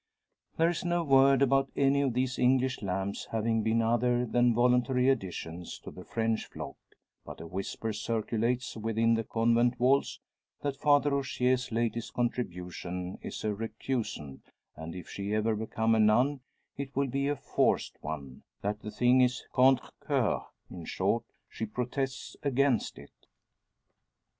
There is no word about any of these English lambs having been other than voluntary additions to the French flock; but a whisper circulates within the convent walls, that Father Rogier's latest contribution is a recusant, and if she ever become a nun it will be a forced one; that the thing is contre coeur in short, she protests against it.